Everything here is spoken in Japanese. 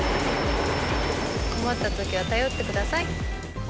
困った時は頼ってください。